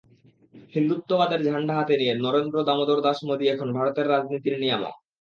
হিন্দুত্ববাদের ঝান্ডা হাতে নিয়ে নরেন্দ্র দামোদর দাস মোদি এখন ভারতের রাজনীতির নিয়ামক।